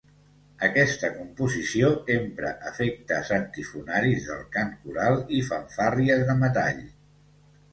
Aquesta composició empra efectes antifonaris del cant coral i fanfàrries de metall.